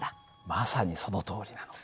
まさにそのとおりなの。